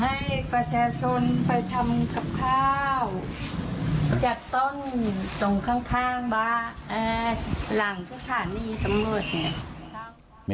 ให้ประชาชนไปทำกับข้าวจากต้นตรงข้างบ้านหลังสถานีตำรวจเนี่ย